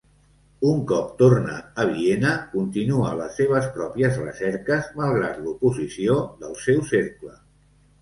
Un cop torna a Viena, continua les seves pròpies recerques, malgrat l'oposició del seu cercle.